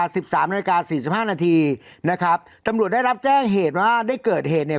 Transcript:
สี่สิบห้านาทีนะครับตำรวจได้รับแจ้งเหตุว่าได้เกิดเหตุเนี่ย